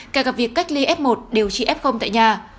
kể cả việc cách ly f một điều trị f tại nhà